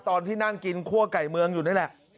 ตอนที่นั่งกินคั่วไก่เมืองอยู่นี่แหละ